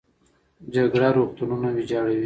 جګړه روغتونونه ویجاړوي